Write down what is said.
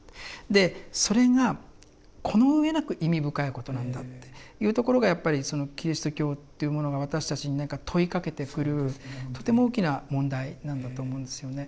でそれがこの上なく意味深いことなんだっていうところがやっぱりそのキリスト教というものが私たちに何か問いかけてくるとても大きな問題なんだと思うんですよね。